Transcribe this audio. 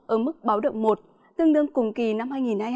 ở mức báo động một tương đương cùng kỳ năm hai nghìn hai mươi hai